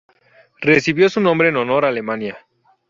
Recibió su nombre en honor a Alemania.